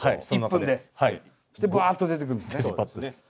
そしてバーッと出てくるんですね。